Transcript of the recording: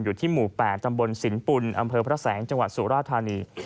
อยู่ที่หมู่๘ตำบลสินปุ่นอำเภอพระแสงจังหวัดสุราธานี